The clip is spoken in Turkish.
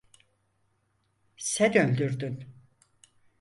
Sen öldürdün.